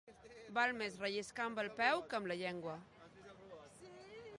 Val més relliscar amb el peu que amb la llengua.